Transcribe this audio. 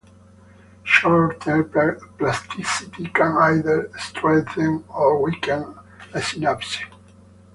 Short term plasticity can either strengthen or weaken a synapse.